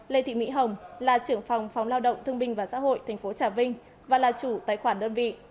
lê thị mỹ hồng là trưởng phòng phòng lao động thương binh và xã hội tp trà vinh và là chủ tài khoản đơn vị